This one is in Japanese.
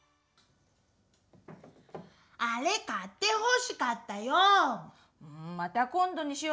あれ買ってほしかったよう！